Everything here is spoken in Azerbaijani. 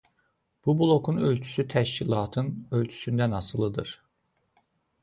Bu blokun ölçüsü təşkilatın ölçüsündən asılıdır.